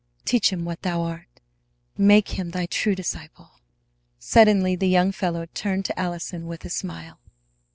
Teach him what Thou art. Make him Thy true disciple." Suddenly the young fellow turned to Allison with a smile.